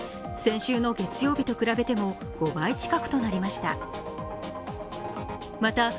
先週の月曜日と比べても５倍近くとなりました。